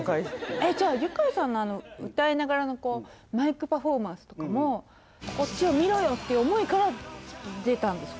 じゃあユカイさんの歌いながらのこうマイクパフォーマンスとかも「こっちを見ろよ！」っていう思いから出たんですか？